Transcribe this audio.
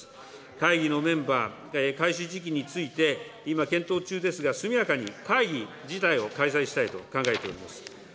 会議のメンバー、開始時期について、今検討中ですが、速やかに会議自体を開催したいと考えております。